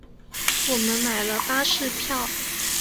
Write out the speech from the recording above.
我们买了巴士票